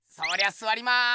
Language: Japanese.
すわりまーす。